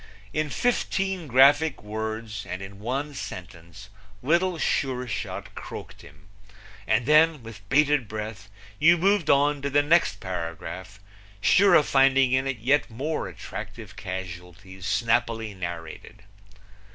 In fifteen graphic words and in one sentence Little Sure Shot croaked him, and then with bated breath you moved on to the next paragraph, sure of finding in it yet more attractive casualties snappily narrated.